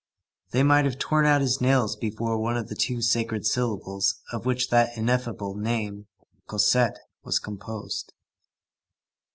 They might have torn out his nails before one of the two sacred syllables of which that ineffable name, Cosette, was composed.